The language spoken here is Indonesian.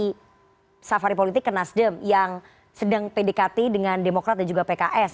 dari safari politik ke nasdem yang sedang pdkt dengan demokrat dan juga pks